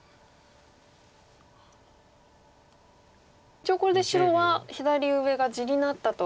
一応これで白は左上が地になったと。